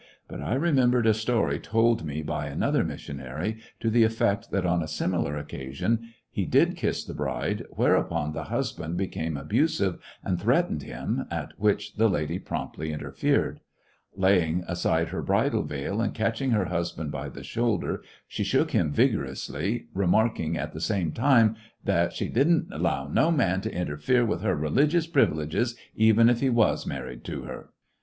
But I remem Her religious bered a story told me by another missionary, to the effect that on a similar occasion he did kiss the bride, whereupon the husband be came abusive and threatened him, at which the lady promptly interfered. Laying aside her bridal veil and catching her husband by the shoulder, she shook him vigorously, re marking at the same time that she ^^did n't allow no man to interfere with her religious privileges, even if he was married to her